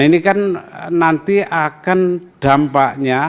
ini kan nanti akan dampaknya